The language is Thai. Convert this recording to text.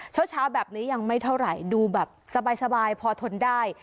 เช้าแบบนี้ยังไม่เท่าไหร่ดูแบบสบายพอทนได้